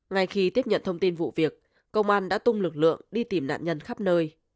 ngay khi tiếp nhận thông tin vụ việc công an đã tung lực lượng đi tìm nạn nhân khắp nơi